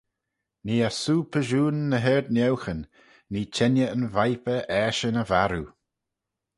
Nee eh soo pyshoon ny ard-nieughyn: nee chengey yn viper eshyn y varroo.